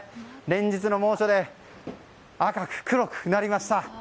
連日の猛暑で赤く黒くなりました。